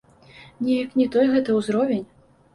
Неяк не той гэта ўзровень.